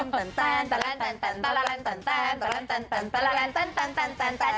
ตั้นตั้นตั้นตั้นตั้นตั้นตั้นตั้นตั้นตั้นตั้นตั้นตั้นตั้นตั้น